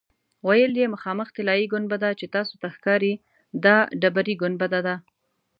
ویل یې مخامخ طلایي ګنبده چې تاسو ته ښکاري دا ډبرې ګنبده ده.